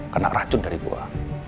kena racun dari gue